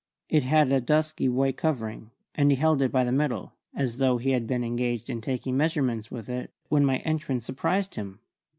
It had a dusky white covering, and he held it by the middle, as though he had been engaged in taking measurements with it when my entrance surprised him.